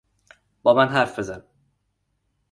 با من حرف بزن!